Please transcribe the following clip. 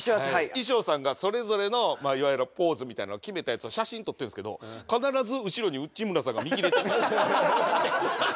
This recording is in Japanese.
衣装さんがそれぞれのいわゆるポーズみたいなの決めたやつを写真撮ってるんですけど必ず後ろに内村さんが見切れてて。